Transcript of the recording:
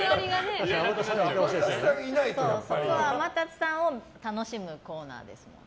天達さんを楽しむコーナーですもの。